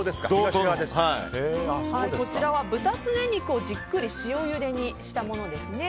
こちらは豚すね肉をじっくり塩ゆでにしたものですね。